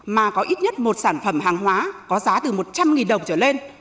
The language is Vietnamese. mà có ít nhất một sản phẩm hàng hóa có giá từ một trăm linh đồng trở lên